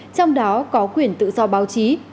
trong đó có quyền tự do báo chí